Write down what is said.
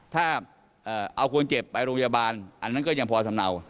ถ้าเอาคนเจ็บไปโรงพยาบาลอันนั้นก็ยังพอสำเนา